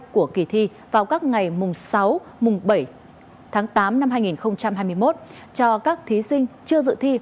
của kỳ thi vào các ngày mùng sáu mùng bảy tháng tám năm hai nghìn hai mươi một cho các thí sinh chưa dự thi